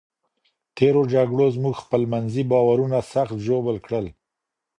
تېرو جګړو زموږ خپلمنځي باورونه سخت ژوبل کړل.